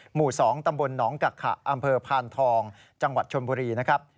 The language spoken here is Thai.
หมู่๒ตำบลหนองกักขะอำเภอพานทองจังหวัดชนบุรีนะครับ